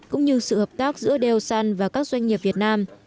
cũng như sự hợp tác giữa delson và các doanh nghiệp việt nam